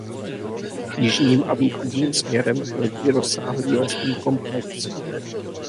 Jižním a východním směrem leží rozsáhlý lesní komplex.